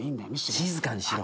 静かにしろよ。